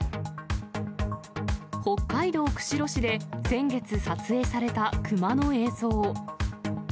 北海道釧路市で先月、撮影されたクマの映像。